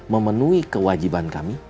memenuhi kewajiban kami